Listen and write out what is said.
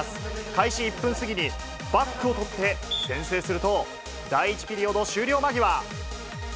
開始１分過ぎに、バックを取って先制すると、第１ピリオド終了間際。